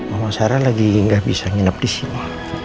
umah sarah lagi gak bisa nginep disini